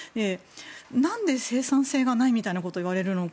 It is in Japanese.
何で、生産性がないみたいなことを言われるのか